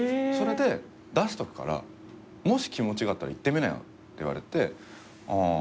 それで「出しとくからもし気持ちがあったら行ってみなよ」って言われてああ